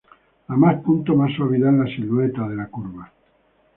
A más puntos más suavidad en la silueta de la curva.